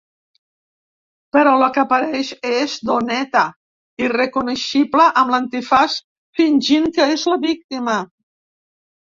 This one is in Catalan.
Però la que apareix és Doneta, irreconeixible amb l'antifaç fingint que és la víctima.